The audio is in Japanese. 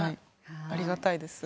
ありがたいです。